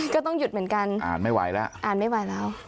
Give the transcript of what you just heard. ก็ต้องหยุดเหมือนกันอ่านไม่ไหวแล้ว